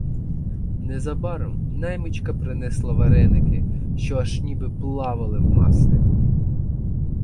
Незабаром наймичка принесла вареники, що аж ніби плавали в маслі.